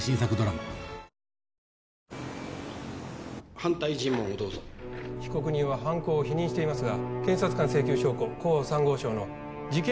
反対尋問をどうぞ被告人は犯行を否認していますが検察官請求証拠甲３号証の事件